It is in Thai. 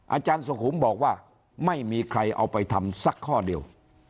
อาจารย์สุขุมบอกว่าไม่มีใครเอาไปทำสักข้อเดียว